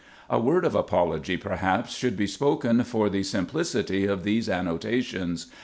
A word of apology, perhaps, should be spoken for the simplicity of these annota tions.